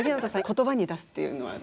言葉に出すっていうのは？